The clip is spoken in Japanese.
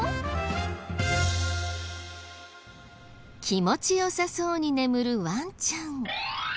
気持ち良さそうに眠るワンちゃん。